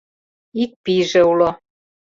Ик пийже уло.